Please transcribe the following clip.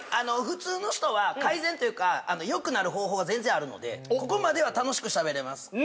ふつうの人は改善というかよくなる方法が全然あるのでここまでは楽しくしゃべれます